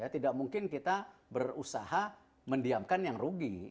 tidak mungkin kita berusaha mendiamkan yang rugi